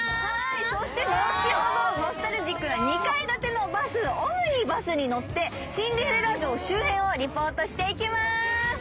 そして後ほどノスタルジックな２階建てバス、オムニバスに乗ってシンデレラ城周辺をリポートしていきまーす。